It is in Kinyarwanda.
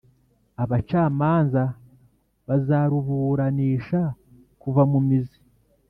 Abacamanza bazaruburanisha kuva mu mizi